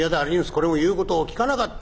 これも言うことを聞かなかった。